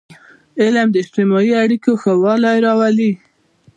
علم د اجتماعي اړیکو ښهوالی راولي.